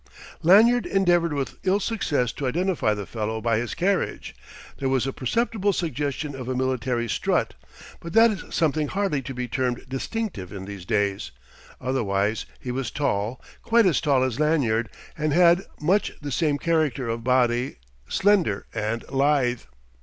Lanyard endeavoured with ill success to identify the fellow by his carriage; there was a perceptible suggestion of a military strut, but that is something hardly to be termed distinctive in these days. Otherwise, he was tall, quite as tall as Lanyard, and had much the same character of body, slender and lithe.